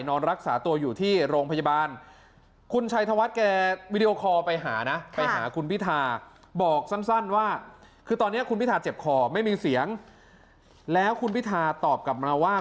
นอนรักษาตัวอยู่ที่โรงพยาบาล